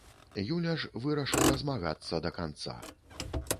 Юля ж вырашыла змагацца да канца.